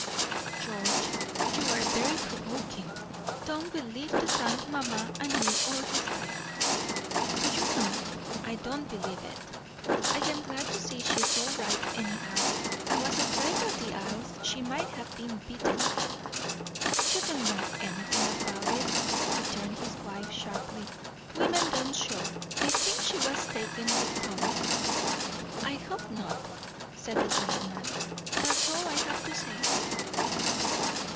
"George, you are very provoking. Tom will live to thank mamma and me all his life." "Do you know, I don't believe it. I am glad to see she's all right, anyhow. I was afraid at the Isles she might have been bitten." "You don't know anything about it," returned his wife sharply. "Women don't show. I think she was taken with Tom." "I hope not!" said the gentleman; "that's all I have to say."